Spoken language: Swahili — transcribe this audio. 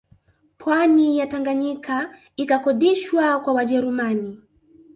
Pwani ya Tanganyika ikakodishwa kwa Wajerumani